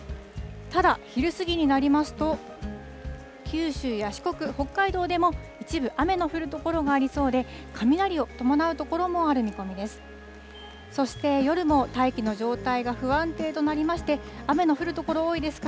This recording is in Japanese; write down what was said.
ただ、昼過ぎになりますと、九州や四国、北海道でも一部、雨の降る所がありそうで、雷を伴う所もある見込みです。